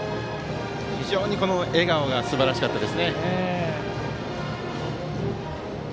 非常に笑顔がすばらしかったですね。